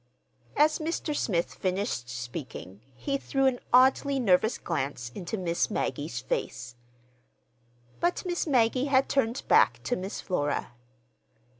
As Mr. Smith finished speaking, he threw an oddly nervous glance into Miss Maggie's face. But Miss Maggie had turned back to Miss Flora.